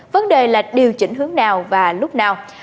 vấn đề là điều chỉnh hướng nào và lúc nào